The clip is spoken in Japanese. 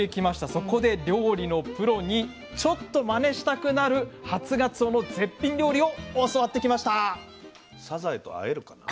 そこで料理のプロにちょっとまねしたくなる初がつおの絶品料理を教わってきました。